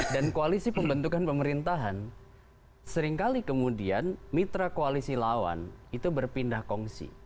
dan koalisi pembentukan pemerintahan seringkali kemudian mitra koalisi lawan itu berpindah kongsi